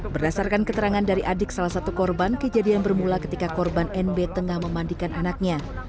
berdasarkan keterangan dari adik salah satu korban kejadian bermula ketika korban nb tengah memandikan anaknya